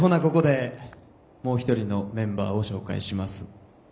ここでもう一人のメンバーを紹介します。